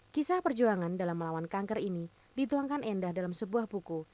kisah perjuangan dalam melawan kanker ini dituangkan endah dalam sebuah buku